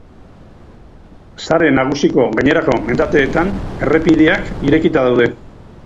Sare nagusiko gainerako mendateetan errepideak irekita daude.